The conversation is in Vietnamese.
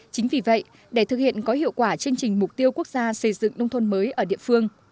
chính vì vậy để thực hiện có hiệu quả chương trình mục tiêu quốc gia xây dựng nông thôn mới ở địa phương